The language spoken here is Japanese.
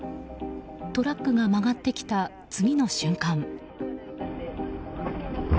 トラックが曲がってきた次の瞬間。